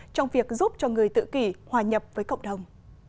trong việc giúp cho người tự kỷ hòa nhập với cộng đồng